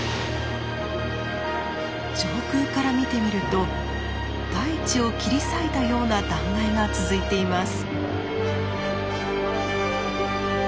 上空から見てみると大地を切り裂いたような断崖が続いています。